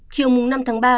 chiều năm tháng ba